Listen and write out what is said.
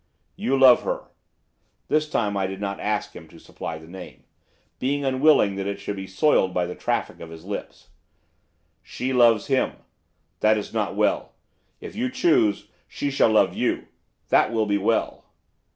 'You love her.' This time I did not ask him to supply the name, being unwilling that it should be soiled by the traffic of his lips. 'She loves him, that is not well. If you choose, she shall love you, that will be well.